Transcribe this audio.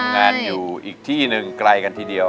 งานอยู่อีกที่หนึ่งไกลกันทีเดียว